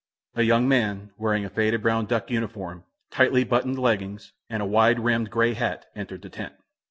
A young man, wearing a faded brown duck uniform, tightly buttoned leggings, and a wide rimmed gray hat, entered the tent.